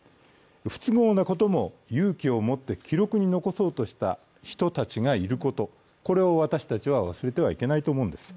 不都合なことも勇気をもって記録に残そうとした人たちがいること、これを私たちは忘れてはいけないと思うんです。